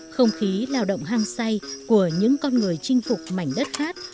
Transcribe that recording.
không khí lao động hang say của những con người chinh phục mảnh đất khác